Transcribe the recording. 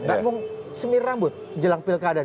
maka emang semir rambut jelang pilkada